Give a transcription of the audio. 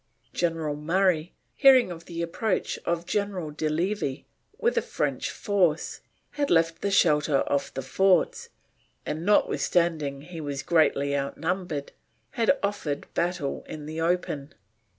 General Murray, hearing of the approach of General de Levis, with a French force, had left the shelter of the forts, and notwithstanding he was greatly outnumbered, had offered battle in the open.